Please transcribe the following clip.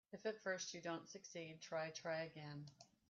If at first you don't succeed, try, try again.